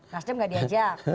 nasdem gak diajak